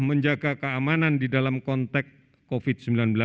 menjaga keamanan di dalam konteks covid sembilan belas